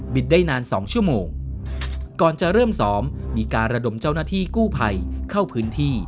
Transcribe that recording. ได้นานสองชั่วโมงก่อนจะเริ่มซ้อมมีการระดมเจ้าหน้าที่กู้ภัยเข้าพื้นที่